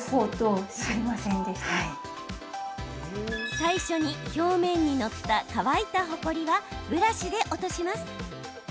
最初に表面に載った乾いたほこりはブラシで落とします。